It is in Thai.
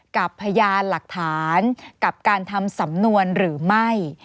พยานหลักฐานกับการทำสำนวนหรือไม่